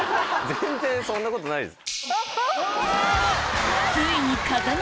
全然そんなことないです。